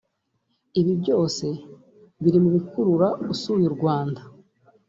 Ibyo byose biri mu bikurura usuye u Rwanda